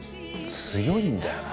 強いんだよな。